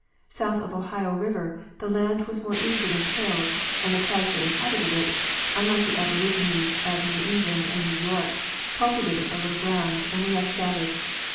South of Ohio river the land was more easily tilled, and the tribes that in habited it, unlike the aborigines of New England and New York, cultivated a little ground and were less savage.